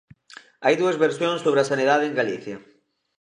Hai dúas versións sobre a sanidade en Galicia.